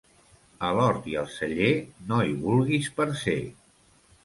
A l'hort i al celler no hi vulguis parcer.